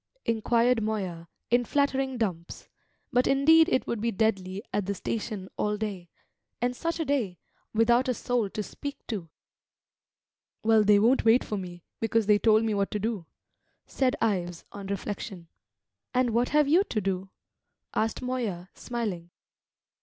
inquired Moya, in flattering dumps: but indeed it would be deadly at the station all day, and such a day, without a soul to speak to! "Well, they won't wait for me, because they told me what to do," said Ives on reflection. "And what have you to do?" asked Moya, smiling.